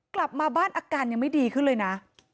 กลับมาบ้านอาการยังไม่ดีขึ้นเลยนะ